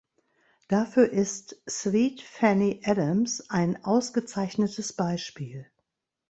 Dafür ist "Sweet Fanny Adams" ein ausgezeichnetes Beispiel.